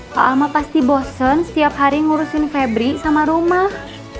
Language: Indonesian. pak ama pasti bosen setiap hari ngurusin febri sama rumah